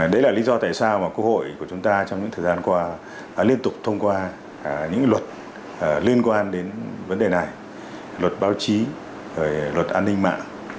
đấy là lý do tại sao mà quốc hội của chúng ta trong những thời gian qua liên tục thông qua những luật liên quan đến vấn đề này luật báo chí luật an ninh mạng